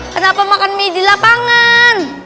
kenapa makan mie di lapangan